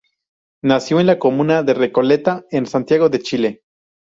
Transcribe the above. Nació en la comuna de Recoleta, en Santiago de Chile.